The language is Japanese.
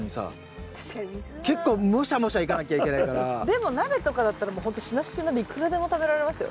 でも鍋とかだったらもうほんとしなしなでいくらでも食べられますよ。